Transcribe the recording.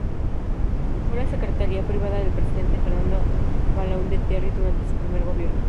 Fue la secretaria privada del Presidente Fernando Belaúnde Terry durante su primer gobierno.